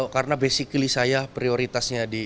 karena basically saya prioritasnya di